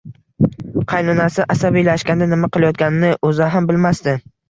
Qaynonasi asabiylashganda nima qilayotganini o`zi ham bilmasdi